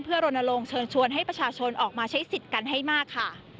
เพื่อรณรงค์เชิญชวนให้ประชาชนออกมาใช้สิทธิ์กันให้มากค่ะ